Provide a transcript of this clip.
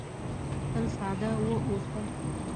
تل ساده واوسه .